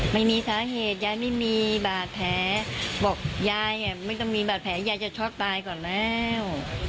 ไม่มีสาเหตุยายไม่มีบาดแผลบอกยายไม่ต้องมีบาดแผลยายจะช็อกตายก่อนแล้ว